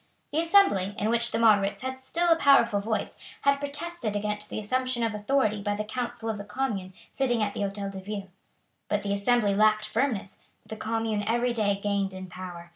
The Assembly, in which the moderates had still a powerful voice, had protested against the assumption of authority by the council of the Commune sitting at the Hotel de Ville. But the Assembly lacked firmness, the Commune every day gained in power.